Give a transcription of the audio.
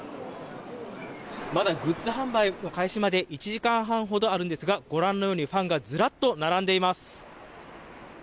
まだグッズ販売開始まで１時間半ほどあるんですがご覧のようにファンがずらっと並んでいます。